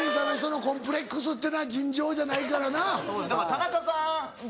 田中さん僕。